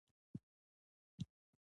دا دوکاندار د پیرود اجناس چمتو کړل.